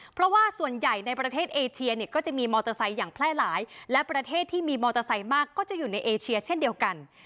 เพราะว่าส่วนใหญ่ในประเทศเอเชียเนี่ยก็จะมีมอเตอร์ไซค์อย่างแพร่หลายและประเทศที่มีมอเตอร์ไซค์มากก็จะอยู่ในเอเชียเช่นเดียวกัน